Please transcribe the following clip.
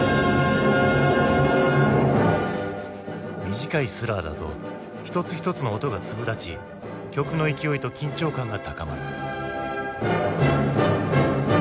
短いスラーだと一つ一つの音が粒立ち曲の勢いと緊張感が高まる。